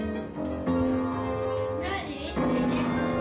何？